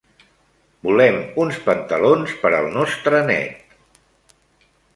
Volem uns pantalons per al nostre net.